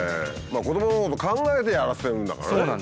子どものこと考えてやらせてるんだからね。